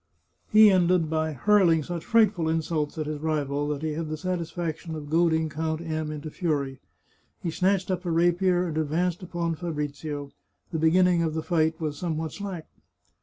He ended by hurling such frightful insults at his rival, that he had the satisfaction of goading Count M into fury. He snatched up a rapier, and ad vanced upon Fabrizio. The beginning of the fight was somewhat slack.